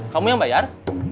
kamu yang bayar